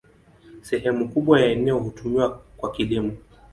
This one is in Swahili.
Sehemu kubwa ya eneo hutumiwa kwa kilimo.